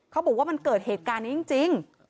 เขาบอกว่ามันเกิดเหตุการณ์นี้จริง